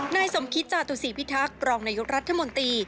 นายสมคิตจาตุศีพิทักษ์รองนายกรัฐมนตรี